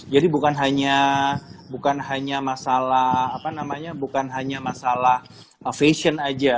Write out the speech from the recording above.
jadi bukan hanya masalah fashion aja